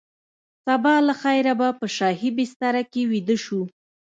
سبا له خیره به په شاهي بستره کې ویده شو.